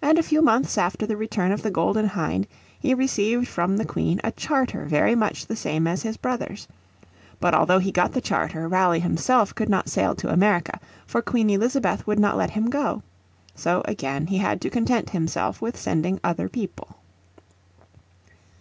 And a few months after the return of the Golden Hind he received from the Queen a charter very much the same as his brother's. But although he got the Charter Raleigh himself could not sail to America, for Queen Elizabeth would not let him go. So again he had to content himself with sending other people.